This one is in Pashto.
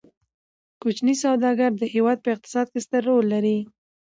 کوچني سوداګر د هیواد په اقتصاد کې ستر رول لري.